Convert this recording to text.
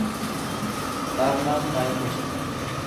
তার নাম ‘মাইমুখ’।